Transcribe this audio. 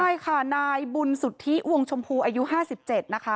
ใช่ค่ะนายบุญสุทธิอวงชมพูอายุห้าสิบเจ็ดนะคะ